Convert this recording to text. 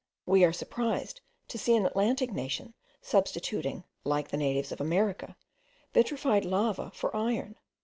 We are surprised to see an Atlantic nation substituting, like the natives of America, vitrified lava for iron.